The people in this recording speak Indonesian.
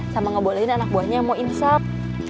sama ngebolehin anak buahnya yang mau insap